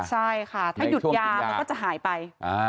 ใช่ค่ะถ้าหยุดยามันก็จะหายไป